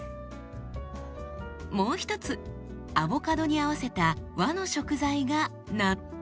もう一つアボカドに合わせた和の食材が納豆。